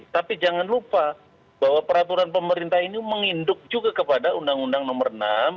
tapi jangan lupa bahwa peraturan pemerintah ini menginduk juga kepada undang undang nomor enam tahun dua ribu delapan belas